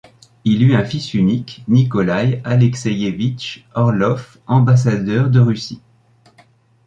Il a eu un fils unique, Nikolaï Alekseïevitch Orlov, ambassadeur de Russie.